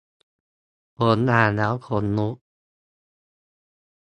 ผมอ่านแล้วขนลุก